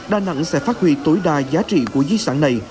đà nẵng sẽ phát huy tối đa giá trị của di sản này